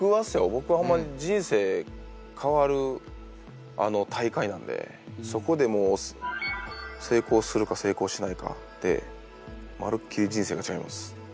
僕はホンマに人生変わる大会なんでそこでもう成功するか成功しないかでまるっきり人生が違います。